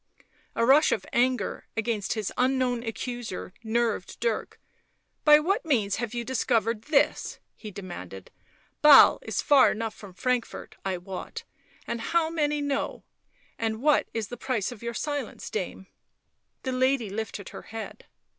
A rush of anger against his unknown accuser nerved Dirk. "By what means have you discovered this!" he demanded. " Basle is far enough from Frankfort, I wot ... and how many know ... and what is the price of your silence, dame ?" The lady lifted her head.